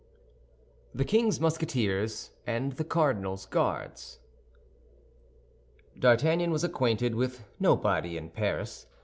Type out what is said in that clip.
THE KING'S MUSKETEERS AND THE CARDINAL'S GUARDS D'Artagnan was acquainted with nobody in Paris.